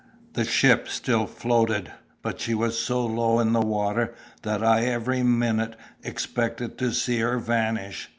The ship still floated, but she was so low in the water that I every minute expected to see her vanish.